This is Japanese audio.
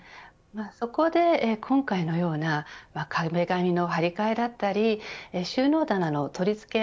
そこで今回のような壁紙の張り替えだったり収納棚の取り付け